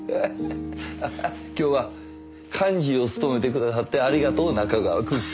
今日は幹事を務めてくださってありがとう仲川くん。